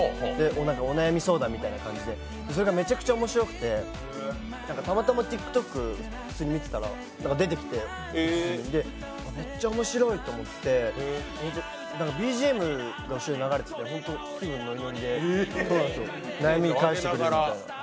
お悩み相談みたいな感じでそれがめちゃくちゃ面白くてたまたまＴｉｋＴｏｋを普通に見てたら出てきて、めっちゃおもしろいと思ってＢＧＭが後ろに流れててホント、気分ノリノリで悩みに返してくれるみたいな。